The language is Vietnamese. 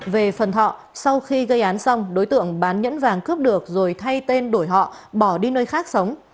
về phần họ sau khi gây án xong đối tượng bán nhẫn vàng cướp được rồi thay tên đổi họ bỏ đi nơi khác sống